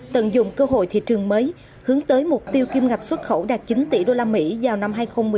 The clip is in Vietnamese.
tận dụng cơ hội thị trường mới hướng tới mục tiêu kim ngạch xuất khẩu đạt chín tỷ usd vào năm hai nghìn một mươi chín